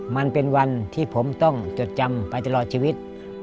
มันเป็นวันที่ผมต้องจดจำไปตลอดชีวิต